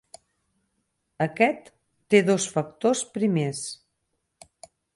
Aquest té dos factors primers.